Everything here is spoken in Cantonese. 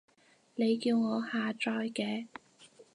你叫我下載嘅